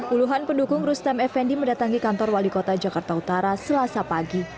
puluhan pendukung rustam effendi mendatangi kantor wali kota jakarta utara selasa pagi